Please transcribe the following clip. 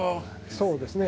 そうですね。